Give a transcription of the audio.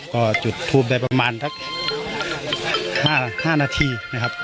ก็จุดทูปได้ประมาณสัก๕นาทีนะครับ